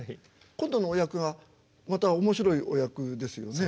今度のお役がまた面白いお役ですよね？